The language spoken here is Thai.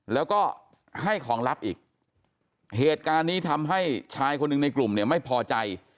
แล้วก็ให้ของลับอีกเหตุการณ์นี้ทำให้ชายคนหนึ่งในกลุ่มเนี่ยไม่พอใจ